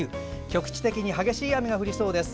局地的に激しい雨が降りそうです。